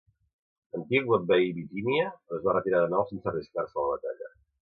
Antíoc va envair Bitínia, però es va retirar de nou sense arriscar-se a la batalla.